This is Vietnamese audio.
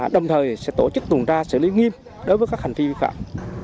đồng thời sẽ tổ chức tuần tra xử lý nghiêm đối với các hành vi vi phạm